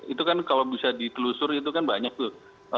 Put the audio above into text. itu kan kalau bisa ditelusur itu kan banyak tuh